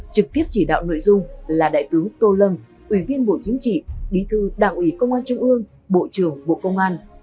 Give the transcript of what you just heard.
trực tiếp chỉ đạo nội dung là đại tướng tô lâm ủy viên bộ chính trị bí thư đảng ủy công an trung ương bộ trưởng bộ công an